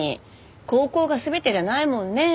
高校が全てじゃないもんね。